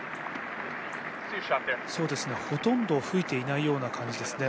ほとんど吹いていないような感じですね。